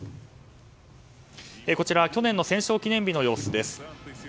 こちら去年の戦勝記念日の様子です。